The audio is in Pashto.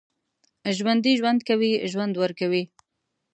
ژوندي ژوند کوي، ژوند ورکوي